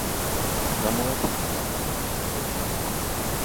Maama we teyamulamusa ng'atya obuko!